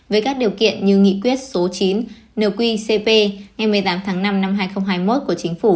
với các điều kiện như nghị quyết số chín nờ quy cp ngày một mươi tám tháng năm năm hai nghìn hai mươi một của chính phủ